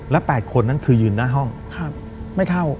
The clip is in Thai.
แล้ว๘คนคือยืนหน้าห้องไม่เข้า